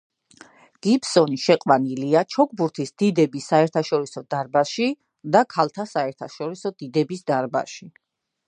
გიბსონი შეყვანილია ჩოგბურთის დიდების საერთაშორისო დარბაზში და ქალთა საერთაშორისო დიდების დარბაზში.